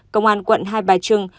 công an quận hai bà trưng